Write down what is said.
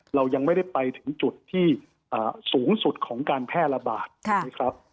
เรายังไม่ได้ไปถึงจุดที่สูงสุดของการแพร่ระบาดนะครับ